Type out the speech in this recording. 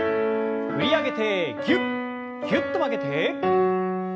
振り上げてぎゅっぎゅっと曲げて。